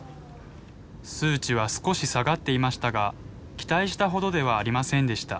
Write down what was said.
数値は少し下がっていましたが期待したほどではありませんでした。